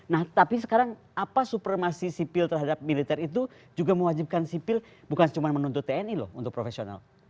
nah tapi sekarang apa supremasi sipil terhadap militer itu juga mewajibkan sipil bukan cuma menuntut tni loh untuk profesional